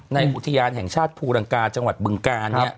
อุทยานแห่งชาติภูรังกาจังหวัดบึงกาล